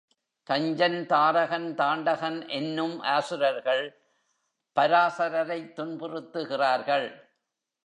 தஞ்சன், தாரகன், தாண்டகன் என்னும் அசுரர்கள் பராசரரைத் துன்புறுத்துகிறார்கள்.